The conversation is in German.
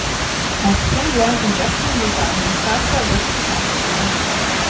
Als Kind lernte Jackson von seinem Vater das Gitarrespielen.